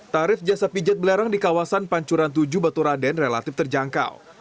tarif jasa pijat belerang di kawasan pancuran tujuh baturaden relatif terjangkau